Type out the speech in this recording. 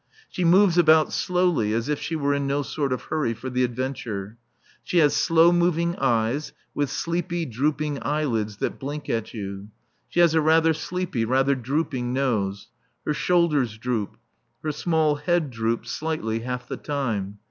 She moves about slowly, as if she were in no sort of hurry for the adventure. She has slow moving eyes, with sleepy, drooping eyelids that blink at you. She has a rather sleepy, rather drooping nose. Her shoulders droop; her small head droops, slightly, half the time.